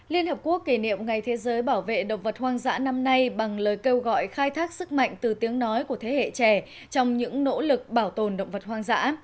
liên hợp quốc kỷ niệm ngày thế giới bảo vệ động vật hoang dã năm nay bằng lời kêu gọi khai thác sức mạnh từ tiếng nói của thế hệ trẻ trong những nỗ lực bảo tồn động vật hoang dã